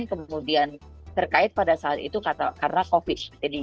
kemudian terkait pada saat itu karena covid